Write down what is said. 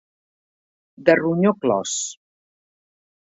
De ronyó clos.